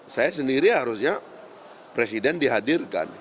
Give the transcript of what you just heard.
saya sendiri harusnya presiden dihadirkan